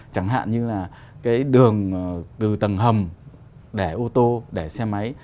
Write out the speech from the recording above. chẳng hạn như là cái đường từ tầng hầm để ô tô để xe máy